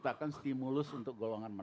tapic polsk tetapi tuen manga yang diangkat